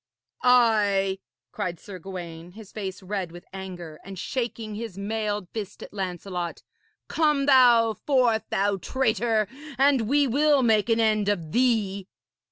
'Ay,' cried Sir Gawaine, his face red with anger, and shaking his mailed fist at Lancelot, 'come thou forth, thou traitor, and we will make an end of thee.'